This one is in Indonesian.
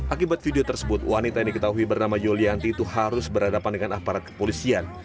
akibat video tersebut wanita yang diketahui bernama yulianti itu harus berhadapan dengan aparat kepolisian